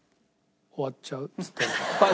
「終わっちゃう」っつったの。